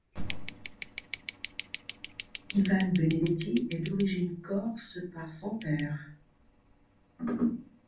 Yvan Benedetti est d'origine corse par son père.